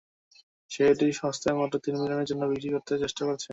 সে এটি সস্তায় মাত্র তিন মিলিয়নের জন্য বিক্রি করার চেষ্টা করছে।